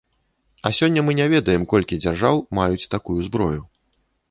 А сёння мы не ведаем, колькі дзяржаў маюць такую зброю.